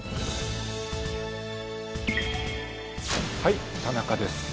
はい田中です。